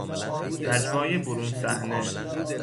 نجوای برون صحنه